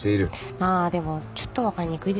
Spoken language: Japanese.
まぁでもちょっと分かりにくいですよね。